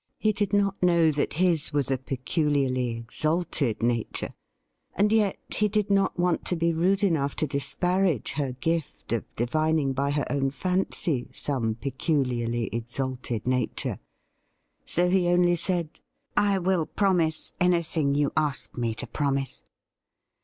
He did not know that his was a peculiarly exalted nature, and yet he did not want to be rude enough to disparage her gift of divining by her own fancy some peculiarly exalted nature ; so he only said :' I will promise anything you ask me to promise.'